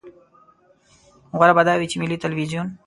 غوره به دا وي چې ملي ټلویزیون.